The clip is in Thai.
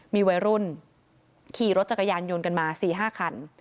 มีวัยรุ่นขี่รถจักรยานยนต์กันมา๔๕คัน